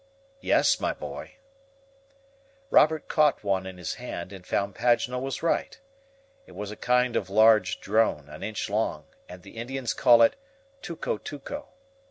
"Yes, my boy." Robert caught one in his hand, and found Paganel was right. It was a kind of large drone, an inch long, and the Indians call it "tuco tuco."